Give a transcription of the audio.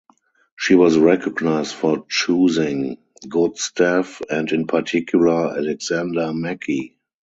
She was recognised for choosing good staff and in particular Alexander Mackie.